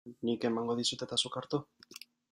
Nik emango dizut eta zuk hartu?